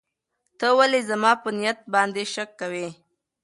ته ولې زما په نیت باندې شک کوې؟